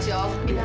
terima kasih om